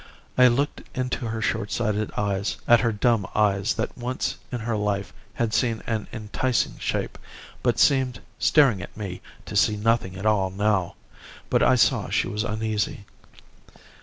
I looked into her shortsighted eyes, at her dumb eyes that once in her life had seen an enticing shape, but seemed, staring at me, to see nothing at all now. But I saw she was uneasy.